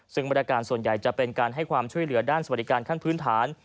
ซึ่งบริการส่วนใหญ่จะเป็นการให้ความช่วยเหลือด้านสวัสดิการขั้นพื้นฐาน